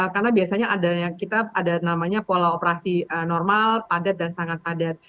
karena biasanya ada yang kita ada namanya pola operasi normal padat dan sangat padat